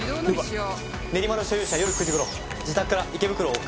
練馬の所有者夜９時頃自宅から池袋を往復。